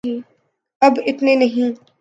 اب اتنے نہیں۔